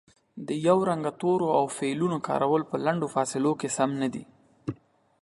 د یو رنګه تورو او فعلونو کارول په لنډو فاصلو کې سم نه دي